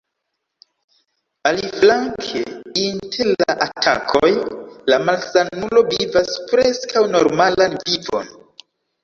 Aliflanke, inter la atakoj, la malsanulo vivas preskaŭ normalan vivon.